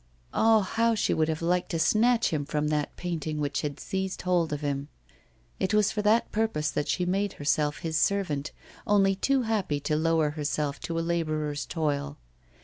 Ah! how she would have liked to snatch him from that painting which had seized hold of him! It was for that purpose that she made herself his servant, only too happy to lower herself to a labourer's toil.